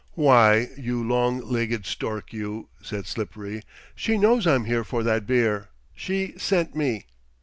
"Why, you long legged stork you!" said Slippery, "she knows I'm here for that beer. She sent me."